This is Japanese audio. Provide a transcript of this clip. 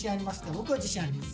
僕は自信あります。